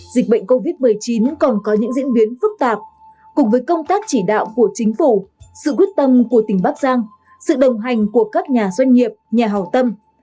dịch bệnh covid một mươi chín còn có những diễn biến phức tạp cùng với công tác chỉ đạo của chính phủ sự quyết tâm của tỉnh bắc giang sự đồng hành của các nhà doanh nghiệp nhà hào tâm